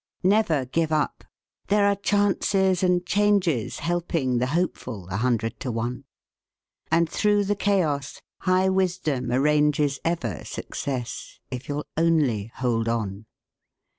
"Never give up, there are chances and changes, Helping the hopeful, a hundred to one; And, through the chaos, High Wisdom arranges Ever success, if you'll only hold on.